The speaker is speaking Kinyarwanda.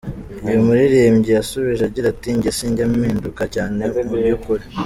Uyu muririmbyi yasubije agira ati "Jye sinjya mpinduka cyane mu by’ukuri.